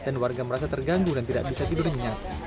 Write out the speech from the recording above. dan warga merasa terganggu dan tidak bisa tidurnya